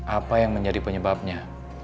apa yang menjadi penyebabnya